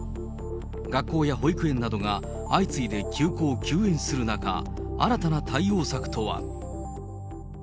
学校や保育園などが相次いで休校・休園する中、新たな対応策とは。